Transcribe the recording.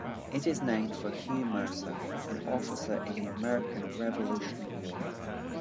It is named for Hugh Mercer, an officer in the American Revolutionary War.